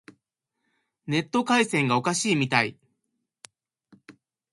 ネット回線がおかしいみたい。